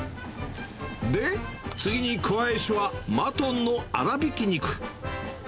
で、次に加えしは、マトンの粗びき肉。